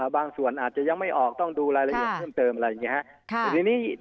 บางส่วนอาจจะยังไม่ออกต้องดูรายละเอียดเพิ่มเติมอะไรอย่างนี้ครับ